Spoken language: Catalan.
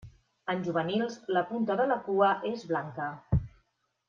En juvenils, la punta de la cua és blanca.